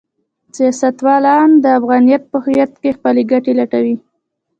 سیاستوالان د افغانیت په هویت کې خپلې ګټې لټوي.